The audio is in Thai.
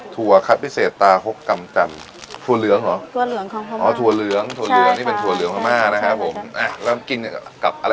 ถั่วคัดพิเศษตาคกรรมกรรมถั่วเหลืองเหรอถั่วเหลืองของพม่าอ๋อถั่วเหลืองถั่วเหลืองนี่เป็นถั่วเหลืองพม่านะครับผม